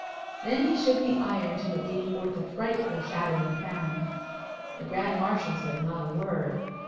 Then he shook the iron till it gave forth a frightful shattering sound. The Grand Marshal said not a word.